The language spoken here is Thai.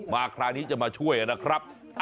คราวนี้จะมาช่วยนะครับ